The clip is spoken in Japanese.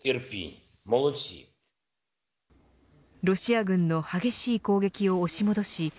ロシア軍の激しい攻撃を押し戻し